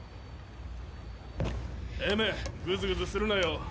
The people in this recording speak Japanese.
エメグズグズするなよ。